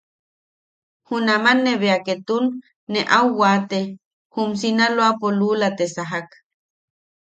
Junam ne bea ketun ne au waate, jum Sinaloapo luula te sajak.